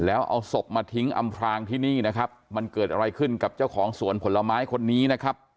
แล้วเอาศพมาทิ้งอำพรางที่นี่นะครับมันเกิดอะไรขึ้นกับเจ้าของสวนผลไม้คนนี้นะครับ